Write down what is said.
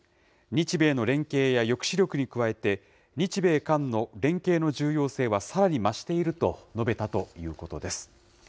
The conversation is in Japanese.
日米の連携や抑止力に加えて、日米韓の連携の重要性はさらに増していると述べたということです。